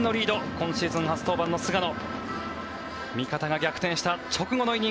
今シーズン初登板の菅野。